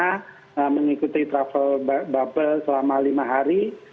kita bisa ikuti travel bubble selama lima hari